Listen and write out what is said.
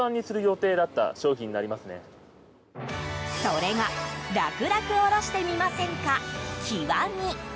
それが楽楽おろしてみま専科極み。